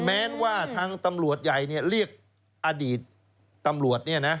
แม้ว่าทางตำรวจใหญ่เนี่ยเรียกอดีตตำรวจเนี่ยนะ